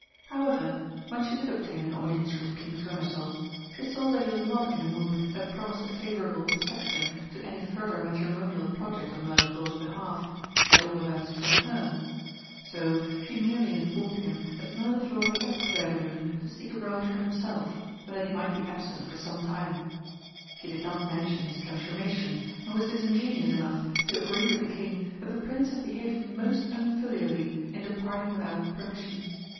However, when she did obtain an audience from King Tournesol, she saw that he was not in a mood that promised a favourable reception to any further matrimonial project on Mirliflor's behalf at all events from her. So she merely informed him that Mirliflor had left Clairdelune to seek a bride for himself, and that he might be absent for some time. She did not mention his transformation, and was disingenuous enough to agree with the King that the Prince had behaved most unfilially in departing without permission.